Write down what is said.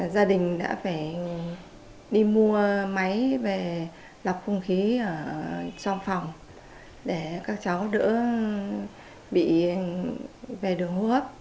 gia đình đã phải đi mua máy về lọc không khí ở trong phòng để các cháu đỡ bị về đường hô hấp